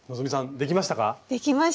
できました。